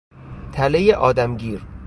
تله آدمگیر